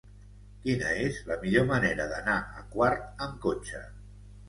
Quina és la millor manera d'anar a Quart amb cotxe?